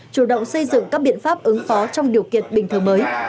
chủ động xây dựng các biện pháp ứng phó trong điều kiện bình thường mới